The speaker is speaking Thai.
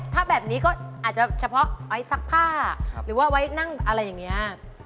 ถ้าแบบนี้ก็อาจจะเฉพาะไว้ซักผ้าหรือว่าไว้นั่งอะไรอย่างนี้